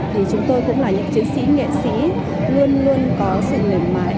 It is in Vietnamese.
thì chúng tôi cũng là những chiến sĩ nghệ sĩ luôn luôn có sự mềm mại